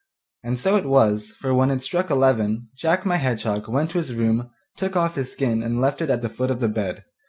And so it was, for when it struck eleven, Jack my Hedgehog went to his room, took off his skin and left it at the foot of the bed.